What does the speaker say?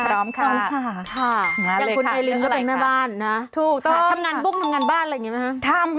พร้อมค่ะอย่างคุณเอลินก็เป็นแม่บ้านนะทำงานบุ้งทำงานบ้านอะไรอย่างนี้ไหมคะ